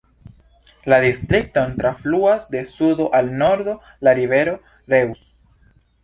La distrikton trafluas de sudo al nordo la rivero Reuss.